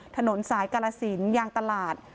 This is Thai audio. ถนนสายกาลสินยางตลาด